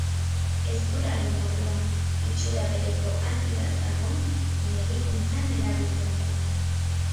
Hezurraren barruan itxura bereko hazi bat dago medikuntzan erabiltzen dena.